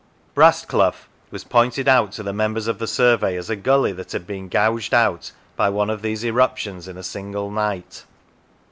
Brastclough was pointed out to the members of the survey as a 213 Lancashire gully that had been gouged out by one of these erup tions in a single night.